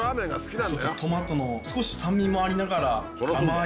ちょっとトマトの少し酸味もありながら。